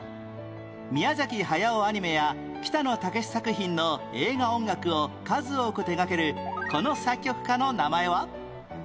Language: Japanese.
宮崎駿アニメや北野武作品の映画音楽を数多く手掛けるこの作曲家の名前は？